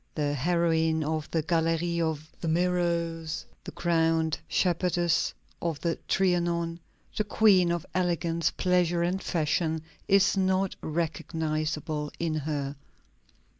The heroine of the Gallery of the Mirrors, the crowned shepherdess of the Trianon, the queen of elegance, pleasure, and fashion is not recognizable in her.